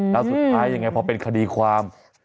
แล้วสุดท้ายยังไงพอเป็นคดีความ